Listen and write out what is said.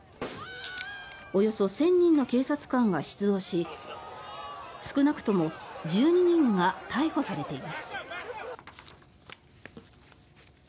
およそ１０００人の警察官が出動し少なくとも１２人が逮捕されています。